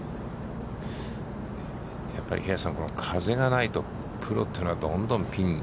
やっぱり平瀬さん、風がないと、プロというのはどんどんピン。